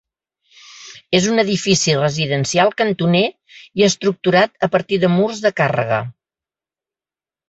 És un edifici residencial cantoner i estructurat a partir de murs de càrrega.